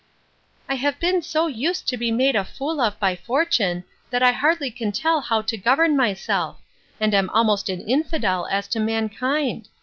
I have been so used to be made a fool of by fortune, that I hardly can tell how to govern myself; and am almost an infidel as to mankind.